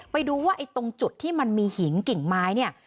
ไปดูว่าไอ้ตรงจุดที่มันมีหินกิ่งไม้เนี่ย